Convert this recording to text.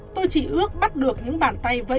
tôi chỉ ước bắt được những bàn tay vẫy